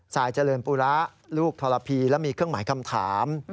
สายเจริญปุระลูกธรพีและมีเครื่องหมายคำถาม